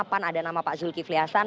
pan ada nama pak zulkifli hasan